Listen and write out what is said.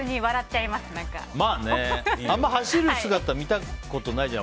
あんま走る姿見たことないじゃん。